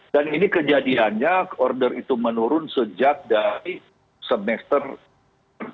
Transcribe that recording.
dan ini kejadiannya order itu menurun sejak dari semester